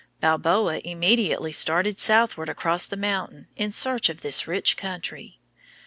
Balboa immediately started southward across the mountains in search of this rich country.